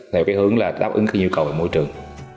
theo cái hướng là đáp ứng cái nhu cầu về môi trường